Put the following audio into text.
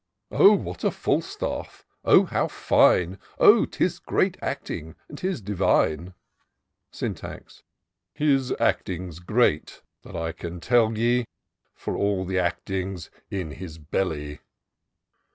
" Oh, what a Falstaff!— Oh, how fine ! Oh, 'tis great acting — 'tis divine !" Syntax. " His acting's great — that I can tell ye ; For all the acting's in his belly.'